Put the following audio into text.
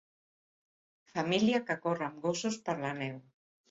Família que corre amb gossos per la neu.